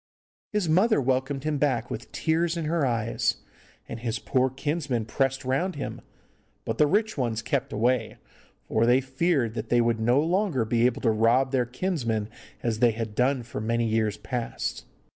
His mother welcomed him back with tears in her eyes, and his poor kinsmen pressed round him, but the rich ones kept away, for they feared that they would no longer be able to rob their kinsman as they had done for many years past.